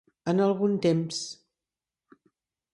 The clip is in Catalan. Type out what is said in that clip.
En algun temps.